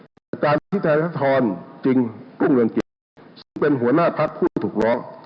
แต่การที่นาธรรณ์จริงกุ้งเรือนกิจซึ่งเป็นหัวหน้าพักผู้ถูกร้อง